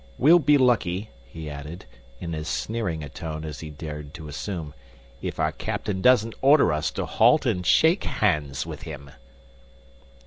We'll be lucky," he added, in as sneering a tone as he dared to assume, "if our captain doesn't order us to halt and shake hands with him."